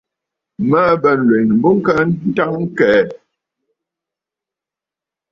Màa bə nlwèn bǔ kɨ təŋ ɨkɛʼɛ?